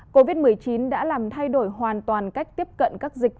covid một mươi chín đã làm thay đổi hoàn toàn cách tiếp cận các dịch